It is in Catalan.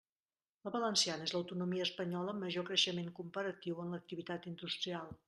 La valenciana és l'autonomia espanyola amb major creixement comparatiu en l'activitat industrial.